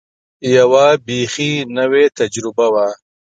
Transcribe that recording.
یوه بېخي نوې تجربه وه.